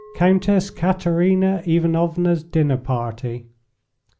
COUNTESS KATERINA IVANOVNA'S DINNER PARTY.